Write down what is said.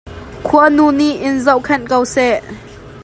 Khuanu nih in zohkhenh ko seh.